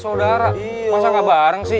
ya udah deh kita ngerah banget sih